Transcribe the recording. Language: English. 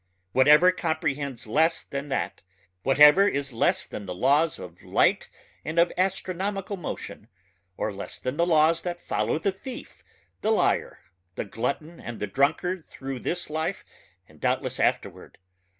Whatever comprehends less than that ... whatever is less than the laws of light and of astronomical motion ... or less than the laws that follow the thief the liar the glutton and the drunkard through this life and doubtless afterward